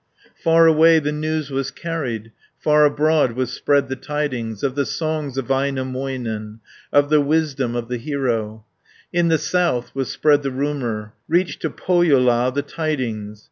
Far away the news was carried, Far abroad was spread the tidings Of the songs of Väinämöinen, Of the wisdom of the hero; In the south was spread the rumour; Reached to Pohjola the tidings.